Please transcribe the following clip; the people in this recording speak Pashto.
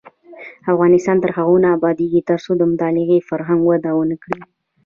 افغانستان تر هغو نه ابادیږي، ترڅو د مطالعې فرهنګ وده ونه کړي.